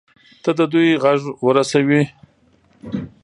ته د دوى غږ ورسوي.